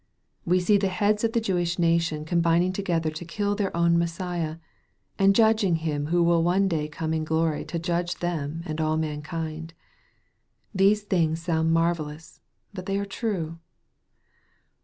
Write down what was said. We see the heads of the Jewish nation combining together to kill their own Messiah, and judging Him who will one day come in glory to judge them and all mankind. These things sound marvellous, but they are true.